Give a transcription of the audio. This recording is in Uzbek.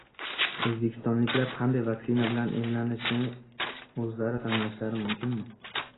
O‘zbekistonliklar qanday vaksina bilan emlanishni o‘zlari tanlashlari mumkinmi